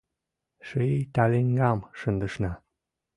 Ший талиҥгам шындышна.